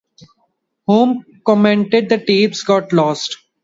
Homme commented, The tapes got lost.